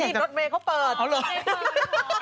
อันนี้โน๊ทกุ๋เบเว้เขาเปิด